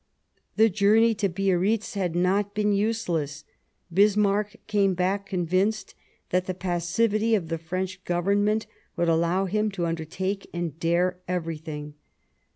The journey to Biarritz had not been useless ; Bismarck came back convinced that the passivity of the French Government would allow him to undertake and dare everything.